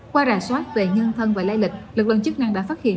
qua rà soát về nhân thân và lai lịch lực lượng chức năng đã phát hiện